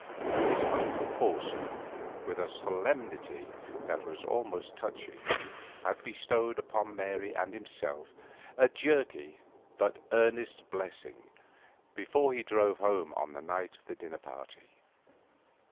His uncle Porson, with a solemnity that was almost touching, had bestowed upon Mary and himself a jerky but earnest blessing before he drove home on the night of the dinner party.